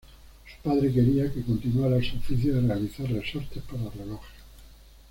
Su padre quería que continuara su oficio de realizar resortes para relojes.